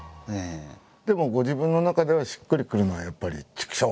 でもご自分の中ではしっくりくるのはやっぱり「チクショー！！」